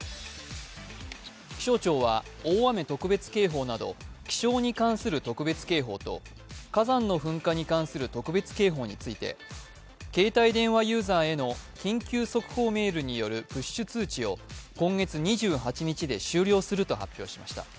気象庁は大雨特別警報など気象に関する特別警報と火山の噴火に関する特別警報について携帯電話ユーザーへの緊急速報メールによるプッシュ通知を今月２８日で終了すると発表しました。